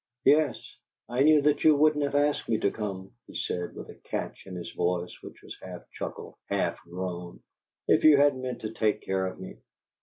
"Yes. I knew that you wouldn't have asked me to come," he said, with a catch in his voice which was half chuckle, half groan, "if you hadn't meant to take care of me!